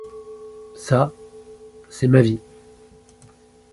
Ça, c’est ma vie.